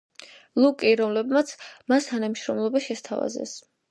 ლუკი, რომლებმაც მას თანამშრომლობა შესთავაზეს.